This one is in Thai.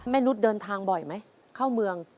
แม่นุฏเดินทางบ่อยไหมเข้าเมือง